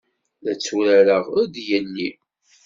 La tturareɣ ed yelli.